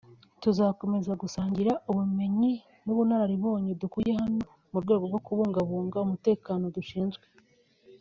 tuzakomeza gusangira ubumenyi n’ubunararibonye dukuye hano mu rwego rwo kubungabunga umutekano dushinzwe